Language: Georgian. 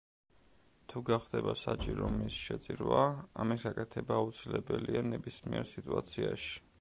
თუ გახდება საჭირო მის შეწირვა, ამის გაკეთება აუცილებელია ნებისმიერ სიტუაციაში.